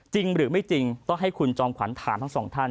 จริงหรือไม่จริงต้องให้คุณจอมขวัญถามทั้งสองท่าน